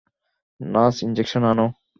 Nurse injection আনো!